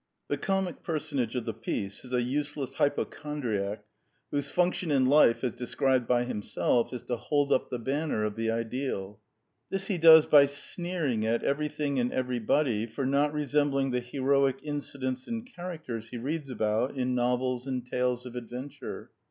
The comic personage of the piece is a useless hypochondriac whose function in life, as described by himself, is '' to hold up the banner of the ideal." This he does by sneering at everything and every body for not resembling the heroic incidents and characters he reads about in novels and tales of adventure.